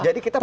jadi kita pak